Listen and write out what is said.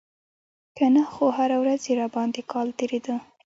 که نه خو هره ورځ يې راباندې کال تېرېده.